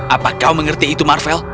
apa kau mengerti itu marvel